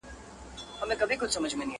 o چي لاس و درېږي، خوله درېږي٫